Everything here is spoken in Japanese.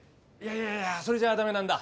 いやいやそれじゃ駄目なんだ。